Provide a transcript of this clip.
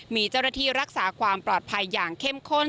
มีเจ้าหน้าที่รักษาความปลอดภัยอย่างเข้มข้น